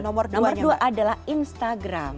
nomor dua adalah instagram